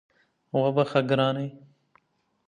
وبخښه ګرانې